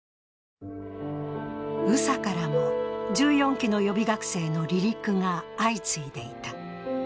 宇佐からも１４期の予備学生の離陸が相次いでいた。